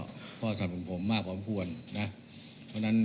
ต้องขอสังคมผมมากเหมาะควรนะเพราะนั้น